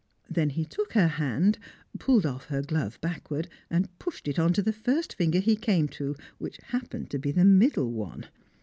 Then he took her hand, pulled off her glove backwards, and pushed it on to the first finger he came to, which happened to be the middle one!